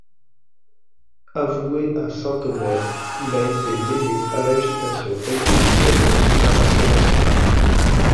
Avoué à Saint-Omer, il a été mêlé à l'agitation républicaine sous la Restauration.